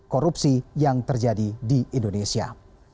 korupsi yang terjadi di indonesia